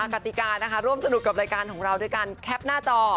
กติกานะคะร่วมสนุกกับรายการของเราด้วยการแคปหน้าจอ